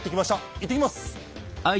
いってきます！